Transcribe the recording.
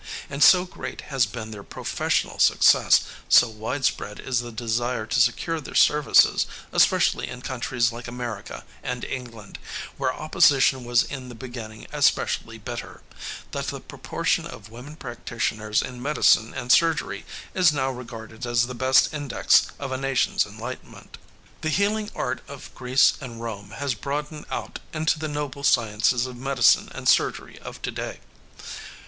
And so great has been their professional success, so widespread is the desire to secure their services, especially in countries like America and England, where opposition was in the beginning especially bitter, that the proportion of women practitioners in medicine and surgery is now regarded as the best index of a nation's enlightenment. The healing art of Greece and Rome has broadened out into the noble sciences of medicine and surgery of to day.